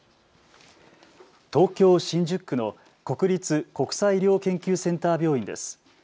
東京新宿区の国立国際医療研究センター病院です。